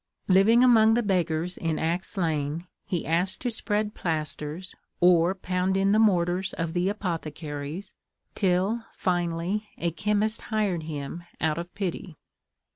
Living among the beggars in Axe Lane, he asked to spread plasters, or pound in the mortars of the apothecaries, till, finally, a chemist hired him out of pity.